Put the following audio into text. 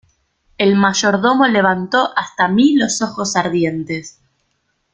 el mayordomo levantó hasta mí los ojos ardientes: